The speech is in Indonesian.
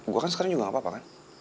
gue kan sekarang juga gak apa apa kan